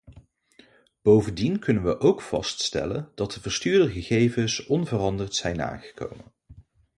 Bovendien kunnen we ook vaststellen dat de verstuurde gegevens onveranderd zijn aangekomen.